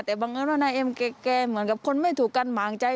แต่บางอย่างนั้นว่านายเอมแกล้งแกล้งเหมือนกับคนไม่ถูกกันหมางใจ